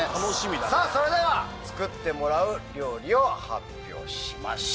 それでは作ってもらう料理を発表しましょう。